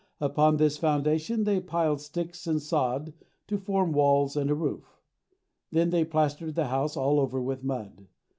Upon this foundation they piled sticks and sod to form walls and a roof. Then they plastered the house all over with mud.